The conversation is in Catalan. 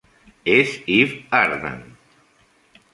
És Eve Arden.